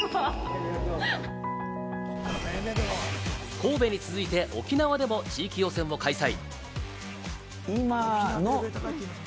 神戸に続いて沖縄でも地域予選も開催。